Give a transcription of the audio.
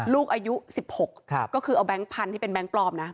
ลูกอายุสิบหกก็คือเอาแบงค์พันที่เป็นแบงค์ปลอมนะ